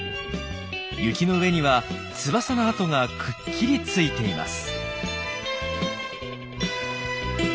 雪の上には翼の跡がくっきりついています。